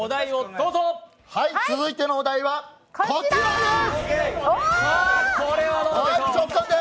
続いてのお題はこちらです。